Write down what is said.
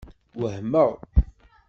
Wehmeɣ.